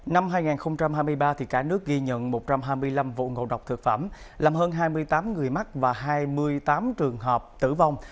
năm hai nghìn hai mươi ba cả nước ghi nhận một trăm hai mươi năm vụ ngộ độc thực phẩm làm hơn hai mươi tám người mắc và hai mươi tám trường hợp tử vong